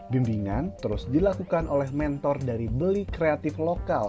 bimbingan terus dilakukan oleh mentor dari beli kreatif lokal